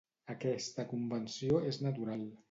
Aquesta convenció és natural.